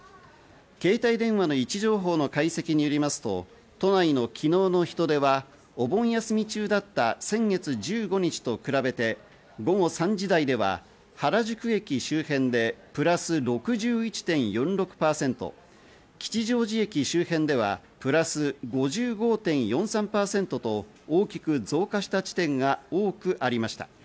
携帯電話の位置情報の解析によりますと、都内の人出は、お盆休み中だった先月１５日と比べて午後３時台では原宿駅周辺でプラス６１．４６％、吉祥寺駅周辺ではプラス５５．４３％と大きく増加した地点が多くありました。